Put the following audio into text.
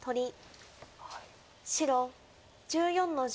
白１４の十。